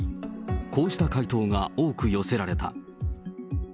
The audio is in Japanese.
こうした回答が多く寄せられた。